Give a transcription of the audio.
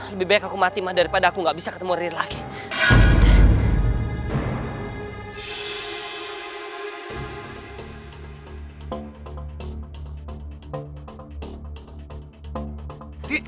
lebih baik aku mati mah daripada aku gak bisa ketemu rin lagi